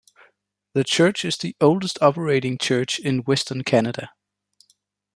The Church is the oldest operating church in Western Canada.